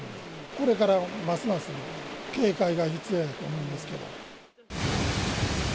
これからますます警戒が必要やと思うんですけど。